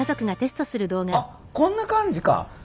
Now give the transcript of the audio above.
あっこんな感じか。